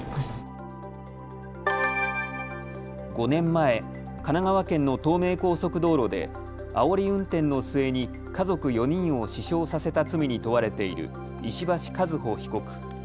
５年前、神奈川県の東名高速道路であおり運転の末に家族４人を死傷させた罪に問われている石橋和歩被告。